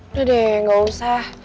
udah deh gak usah